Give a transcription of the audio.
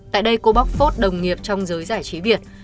tại đây cô bóc phốt đồng nghiệp trong giới giải trí việt